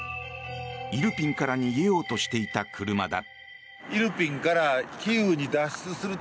イルピンから逃げようとしていた車だ。